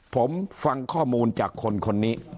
ผมฟังข้อมูลจากคนคนนี้